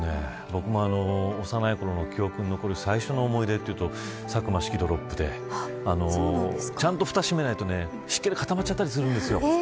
僕も幼いころの記憶に残る最初の思い出というとサクマ式ドロップスでちゃんとふたを閉めないと湿気で固まったりするんですよ。